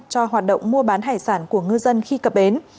cho hoạt động mua bán hải sản của ngư dân khi cập bến